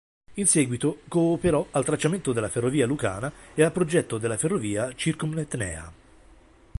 In seguito cooperò al tracciamento della ferrovia lucana e al progetto della ferrovia Circumetnea.